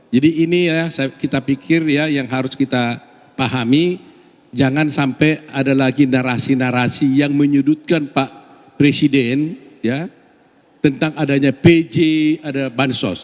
jadi ini kita pikir yang harus kita pahami jangan sampai ada lagi narasi narasi yang menyudutkan pak presiden tentang adanya pj ada bansos